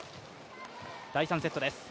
第３セットです。